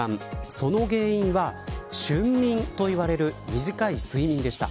その原因は瞬眠といわれる短い睡眠でした。